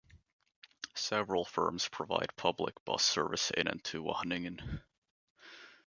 Several firms provide public bus service in and to Wageningen.